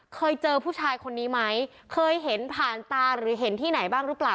เคยเจอผู้ชายคนนี้ไหมเคยเห็นผ่านตาหรือเห็นที่ไหนบ้างหรือเปล่า